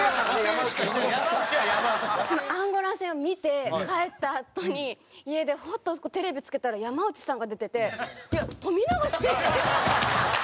アンゴラ戦を見て帰ったあとに家でふとテレビつけたら山内さんが出てていや富永選手？って。